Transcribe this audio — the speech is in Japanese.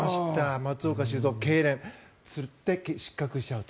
松岡修造けいれんつって、失格しちゃうと。